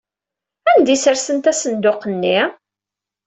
Anda ay ssersent asenduq-nni?